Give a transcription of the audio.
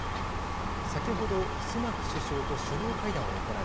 先ほどスナク首相と首脳会談を行い